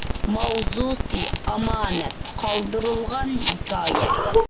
ماۋزۇسى ئامانەت قالدۇرۇلغان ھېكايە